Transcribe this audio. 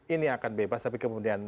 ini akan bebas tapi kemudian